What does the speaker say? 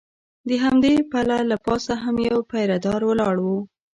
د همدې پله له پاسه هم یو پیره دار ولاړ و.